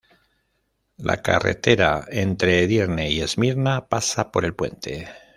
La carretera entre Edirne y Esmirna pasa por el puente.